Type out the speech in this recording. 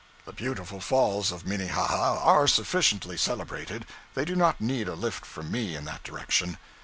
The beautiful falls of Minnehaha are sufficiently celebrated they do not need a lift from me, in that direction.